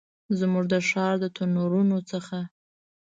زموږ د ښار د تنورونو څخه